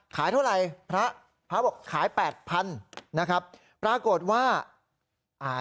ขายเท่าไหร่พระพระบอกขายแปดพันนะครับปรากฏว่าอ่า